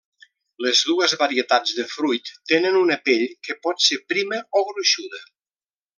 Les dues varietats de fruit tenen una pell que pot ser prima o gruixuda.